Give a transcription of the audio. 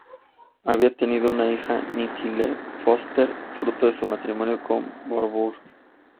Había tenido una hija, Nicki Lee Foster, fruto de su matrimonio con Barbour.